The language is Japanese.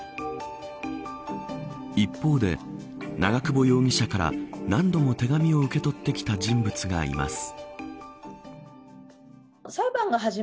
一方で、長久保容疑者から何度も手紙を受け取ってきた人物がいます。